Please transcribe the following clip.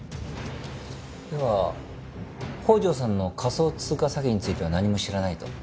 では宝城さんの仮想通貨詐欺については何も知らないと？